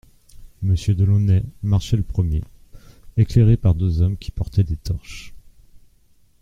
Monsieur de Launay marchait le premier, éclairé par deux hommes qui portaient des torches.